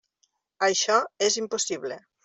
Això és impossible.